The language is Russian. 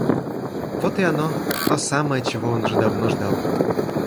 Вот и оно, то самое, чего он уже давно ждал.